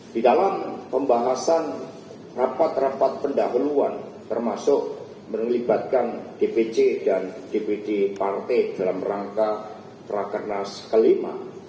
di dalam pembahasan rapat rapat pendahuluan termasuk melibatkan dpc dan dpd partai dalam rangka prakernas kelima